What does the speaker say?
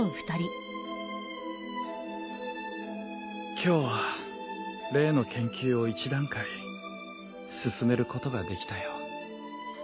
今日は例の研究を一段階進めることができたよ。